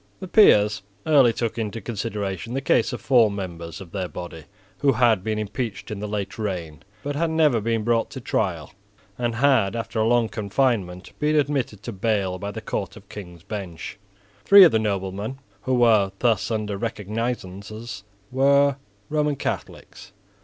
The peers early took into consideration the case of four members of their body who had been impeached in the late reign, but had never been brought to trial, and had, after a long confinement, been admitted to bail by the Court of King's Bench. Three of the noblemen who were thus under recognisances were Roman Catholics.